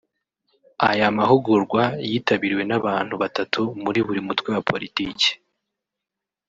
Aya mahugurwa yitabiriwe n’abantu batatu muri buri mutwe wa Politiki